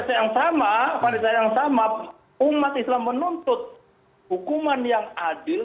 karena pada saat yang sama pada saat yang sama umat islam menuntut hukuman yang adil